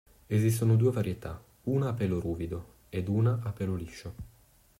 Esistono due varietà, una "a pelo ruvido" ed una "a pelo liscio".